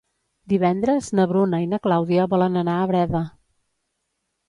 Divendres na Bruna i na Clàudia volen anar a Breda.